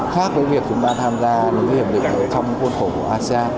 khác với việc chúng ta tham gia những hiệp định trong khuôn khổ của asean